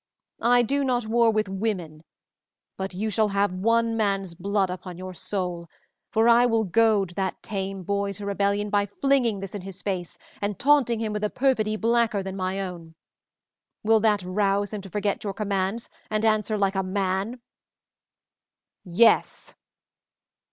I do not war with women, but you shall have one man's blood upon your soul, for I will goad that tame boy to rebellion by flinging this in his face and taunting him with a perfidy blacker than my own. Will that rouse him to forget your commands and answer like a man?" "Yes!"